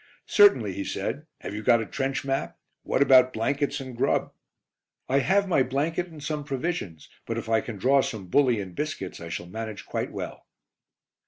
"Certainly," he said. "Have you got a trench map? What about blankets and grub?" "I have my blanket and some provisions, but if I can draw some bully and biscuits, I shall manage quite well."